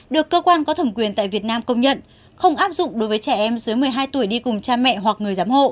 được cơ quan có thẩm quyền tại việt nam công nhận không áp dụng đối với trẻ em dưới một mươi hai tuổi đi cùng cha mẹ hoặc người giám hộ